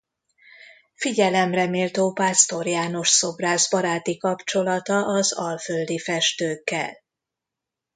Figyelemreméltó Pásztor János szobrász baráti kapcsolata az alföldi festőkkel.